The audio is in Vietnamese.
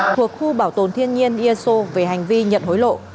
thuộc khu bảo tồn thiên nhiên ia so về hành vi nhận hối lộ